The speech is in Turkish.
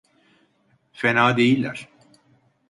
Fena değiller.